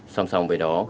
song song với đó